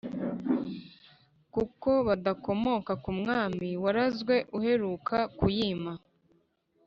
kuko badakomoka ku mwami warazwe uheruka kuyima.